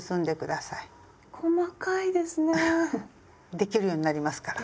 できるようになりますから。